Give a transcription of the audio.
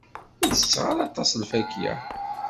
Ur tetteɣ ara aṭas lfakya.